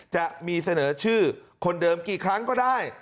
จะมีเสนอชื่อคนเดิมกี่ครั้งก็ได้